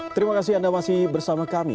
terima kasih anda masih bersama kami